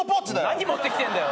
何持ってきてんだよ。